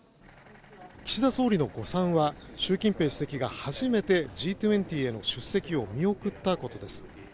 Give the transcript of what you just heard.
岸田総理の誤算は、習近平主席が初めてＧ２０への出席を見送ったことです。